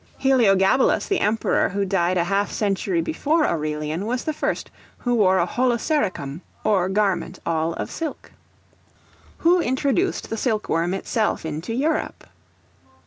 Heliogabalus, the Emperor, who died half a century before Aurelian, was the first who wore a holosericum or garment all of silk. Who introduced the Silk Worm itself into Europe?